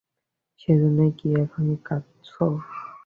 সেজন্যই কি এখন কাঁদছো?